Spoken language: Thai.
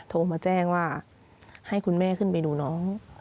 โทรมาแจ้งว่าให้คุณแม่ขึ้นไปดูน้อง